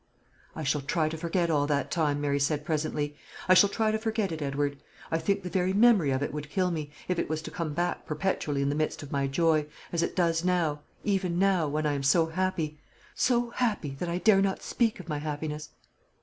"I shall try to forget all that time," Mary said presently; "I shall try to forget it, Edward. I think the very memory of it would kill me, if it was to come back perpetually in the midst of my joy, as it does now, even now, when I am so happy so happy that I dare not speak of my happiness."